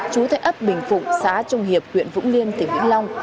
trú tại ấp bình phụng xã trông hiệp huyện vũng liêm tỉnh vĩnh long